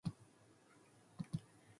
Byzantine Iconoclasm